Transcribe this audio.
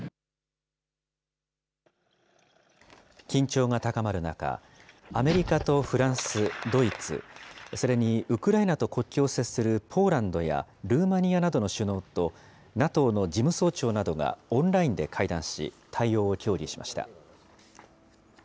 緊張が高まる中、アメリカとフランス、ドイツ、それにウクライナと国境を接するポーランドやルーマニアなどの首脳と、ＮＡＴＯの事務総長などがオンラインで会談し、対応を協議しました。